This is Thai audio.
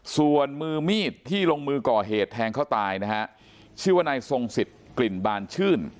ส่วนมือมีดที่ลงมือก่อเหตุแทงเขาตายนะฮะชื่อว่านายทรงสิทธิ์กลิ่นบานชื่น